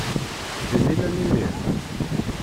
Din i llan imir?